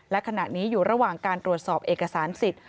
และขณะนี้อยู่ระหว่างการตรวจสอบเอกสารสิทธิ์